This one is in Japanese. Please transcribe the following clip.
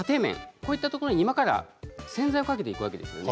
こういうところに今から洗剤をかけていくわけですね。